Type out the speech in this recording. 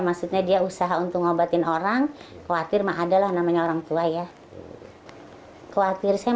maksudnya dia usaha untuk ngobatin orang khawatir mah adalah namanya orang tua ya khawatir saya